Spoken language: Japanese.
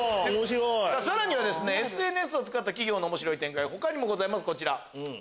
さらにはＳＮＳを使った企業の面白い展開は他にもございますこちら。